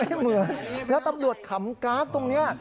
เหมือนแล้วตำรวจขำกราฟตรงนี้